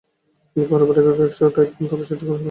Philip আর Robert একাই একশো টাইপ, তবে সেটা কোনো সমস্যা না।